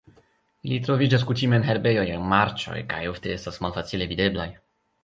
Ili troviĝas kutime en herbejoj aŭ marĉoj kaj ofte estas malfacile videblaj.